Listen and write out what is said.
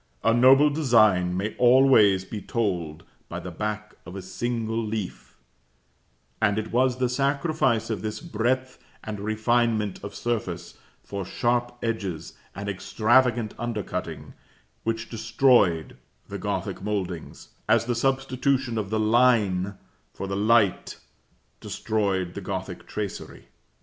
A noble design may always be told by the back of a single leaf, and it was the sacrifice of this breadth and refinement of surface for sharp edges and extravagant undercutting, which destroyed the Gothic mouldings, as the substitution of the line for the light destroyed the Gothic tracery.